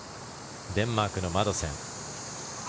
デンマークのマドセン。